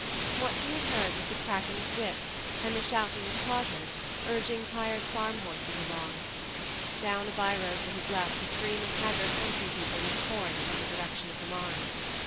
What he had heard was the cracking of whips and the shouting of carters urging tired farm horses along. Down a by road to his left a stream of haggard country people was pouring from the direction of the Marne.